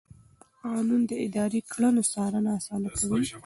قانون د اداري کړنو څارنه اسانه کوي.